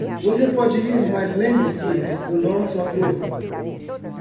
Você pode ir?, mas lembre-se do nosso acordo.